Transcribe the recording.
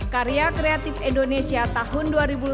karya kreatif indonesia tahun dua ribu dua puluh